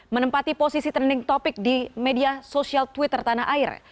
menempati posisi trending topic di media sosial twitter tanah air